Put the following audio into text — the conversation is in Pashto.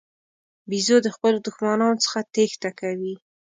بیزو د خپلو دښمنانو څخه تېښته کوي.